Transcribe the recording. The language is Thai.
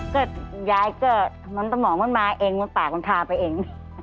ก็ยายก็น้องตะหมอกมันมาเองมันตานมันทาไปเอง